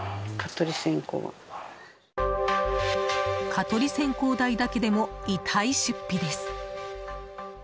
蚊取り線香代だけでも痛い出費です。